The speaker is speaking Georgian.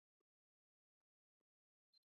ადმინისტრაციული ცენტრია ქალაქი თოქმაქი.